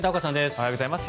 おはようございます。